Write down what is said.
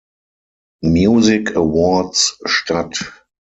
Music Awards" statt.